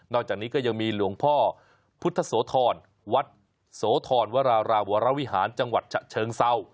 จากนี้ก็ยังมีหลวงพ่อพุทธโสธรวัดโสธรวราราวรวิหารจังหวัดฉะเชิงเศร้า